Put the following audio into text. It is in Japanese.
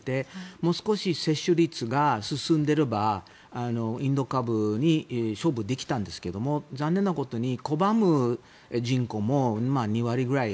もう少し接種率が進んでいればインド株に勝負できたんですけど残念なことに、拒む人も２割ぐらいか